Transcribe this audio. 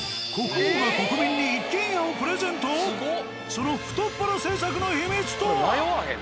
その太っ腹政策の秘密とは！？